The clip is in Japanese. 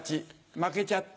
負けちゃった。